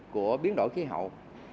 của biến đổi khí hậu